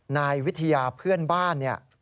นายวิทยาเพื่อนบ้านเนี่ย